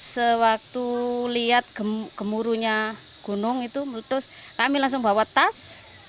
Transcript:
sewaktu lihat gemuruhnya gunung itu kami langsung bawa tas